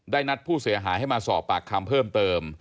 นัดผู้เสียหายให้มาสอบปากคำเพิ่มเติม